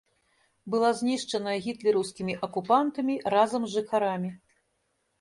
Была знішчаная гітлераўскімі акупантамі разам з жыхарамі.